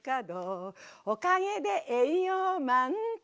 「おかげで栄養満点。